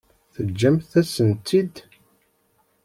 Teǧǧamt-asen-tt-id.